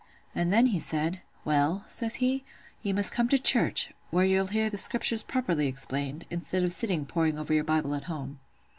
And then he said,—'Well,' says he, 'you must come to church, where you'll hear the Scriptures properly explained, instead of sitting poring over your Bible at home.